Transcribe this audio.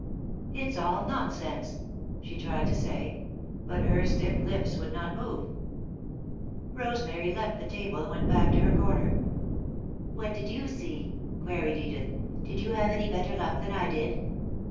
"It's all nonsense," she tried to say, but her stiff lips would not move. [Sidenote: A Black Cloud] Rosemary left the table and went back to her corner. "What did you see?" queried Edith. "Did you have any better luck than I did?"